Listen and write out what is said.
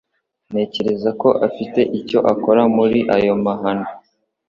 Ntekereza ko afite icyo akora kuri ayo mahano.